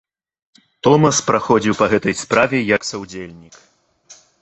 Томас праходзіў па гэтай справе як саўдзельнік.